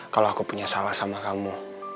kalau aku punya salah sama kamu